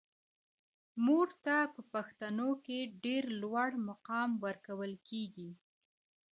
مور ته په پښتنو کې ډیر لوړ مقام ورکول کیږي.